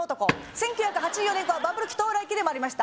１９８４年はバブル期到来期でもありました